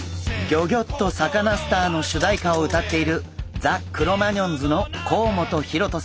「ギョギョッとサカナ★スター」の主題歌を歌っているザ・クロマニヨンズの甲本ヒロトさん。